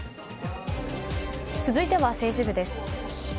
続いては、政治部です。